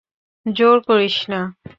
জোর করিস না।